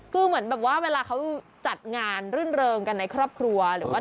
คือเหมือนแบบว่าเวลาเขาจัดงานรื่นเริงกันในครอบครัวหรือว่า